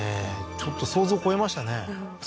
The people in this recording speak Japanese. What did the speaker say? ちょっと想像超えましたね